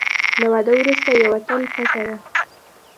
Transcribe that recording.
له واده وروسته یوه تل پټوه .